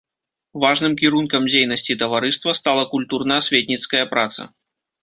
Важным кірункам дзейнасці таварыства стала культурна-асветніцкая праца.